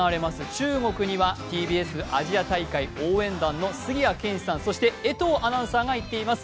中国にはＴＢＳアジア大会応援団の杉谷拳士さんそして江藤アナウンサーが行っています。